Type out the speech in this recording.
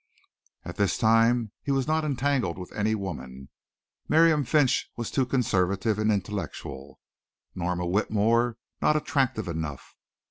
At this time he was not entangled with any woman. Miriam Finch was too conservative and intellectual; Norma Whitmore not attractive enough.